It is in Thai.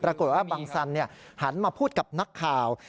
ปรากฏว่าบังสันหันมาพูดกับนักข่าว